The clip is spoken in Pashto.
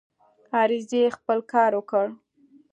عریضې خپل کار وکړ.